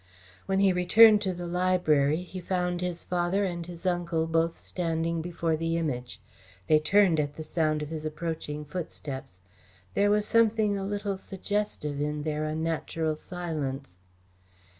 When he returned to the library he found his father and his uncle both standing before the Image. They turned at the sound of his approaching footsteps. There was something a little suggestive in their unnatural silence.